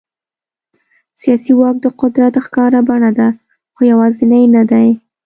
سیاسي واک د قدرت ښکاره بڼه ده، خو یوازینی نه دی.